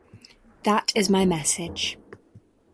That is my message.